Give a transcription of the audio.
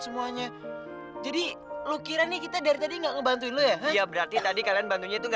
semua orang mengira dia itu aku